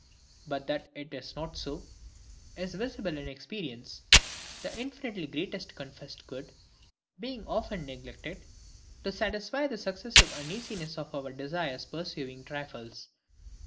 But that it is not so, is visible in experience; the infinitely greatest confessed good being often neglected, to satisfy the successive uneasiness of our desires pursuing trifles.